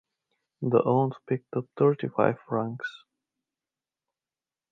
The aunt picked up thirty-five francs.